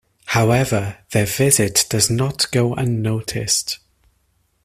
However, their visit does not go unnoticed.